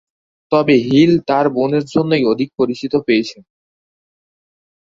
তবে হিল তাঁর বোনের জন্যেই অধিক পরিচিত পেয়েছেন।